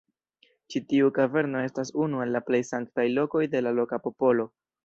Ĉi tiu kaverno estas unu el la plej sanktaj lokoj de la loka popolo.